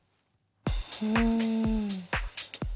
うん。